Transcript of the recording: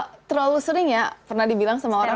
kita punya terlalu sering ya pernah dibilang sama orang